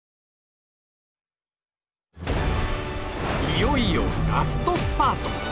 いよいよラストスパート！